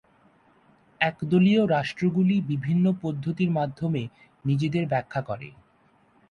একদলীয় রাষ্ট্রগুলি বিভিন্ন পদ্ধতির মাধ্যমে নিজেদের ব্যাখ্যা করে।